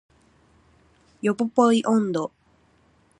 ヨポポイ音頭